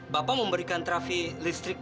bapak memberikan terapi listrik